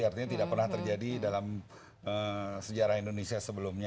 artinya tidak pernah terjadi dalam sejarah indonesia sebelumnya